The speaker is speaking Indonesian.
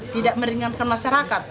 tidak meringankan masyarakat